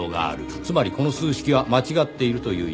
つまりこの数式は間違っているという意味かと。